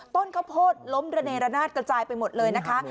ต้นข้าวโพดล้มระเนรนาศกระจายไปหมดเลยนะคะ